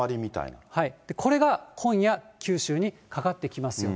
これが今夜、九州にかかってきますよ。